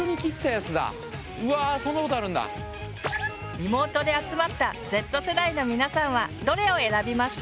リモートで集まったＺ世代の皆さんはどれを選びました？